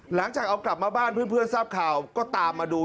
หลังจากเอากลับมาบ้านเพื่อนทราบข่าวก็ตามมาดู